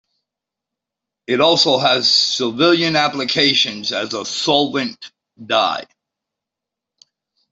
It also has civilian applications as a solvent dye.